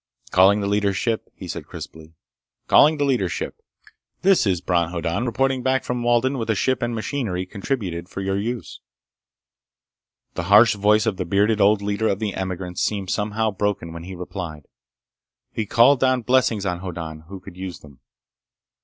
"Calling the leader's ship," he said crisply. "Calling the leader's ship! This is Bron Hoddan, reporting back from Walden with a ship and machinery contributed for your use!" The harsh voice of the bearded old leader of the emigrants seemed somehow broken when he replied. He called down blessings on Hoddan, who could use them.